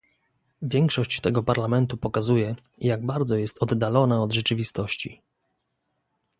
Większość tego Parlamentu pokazuje, jak bardzo jest oddalona od rzeczywistości